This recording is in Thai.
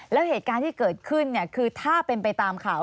แล้วเหตุการณ์ที่เกิดขึ้นคือถ้าเป็นไปตามข่าว